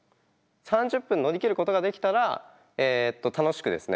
３０分のりきることができたら楽しくですね